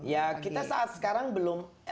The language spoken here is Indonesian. ya kita saat sekarang belum